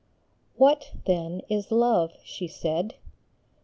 HAT, then, is Love ?" she said.